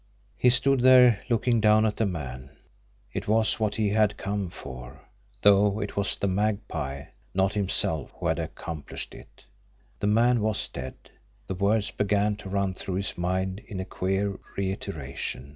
He stood there looking down at the man. It was what he had come for though it was the Magpie, not himself, who had accomplished it! The man was dead! The words began to run through his mind in a queer reiteration.